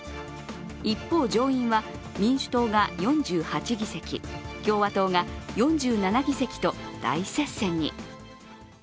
一方、上院は民主党が４８議席共和党が４７議席と大接戦に。